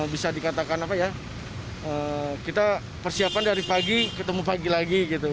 bisa dikatakan apa ya kita persiapan dari pagi ketemu pagi lagi gitu